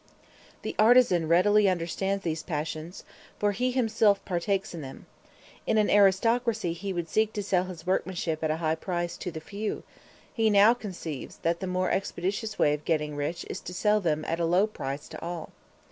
The artisan readily understands these passions, for he himself partakes in them: in an aristocracy he would seek to sell his workmanship at a high price to the few; he now conceives that the more expeditious way of getting rich is to sell them at a low price to all.